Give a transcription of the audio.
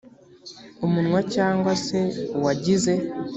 umwana cyangwa se uwagize